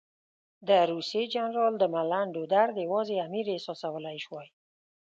د روسي جنرال د ملنډو درد یوازې امیر احساسولای شوای.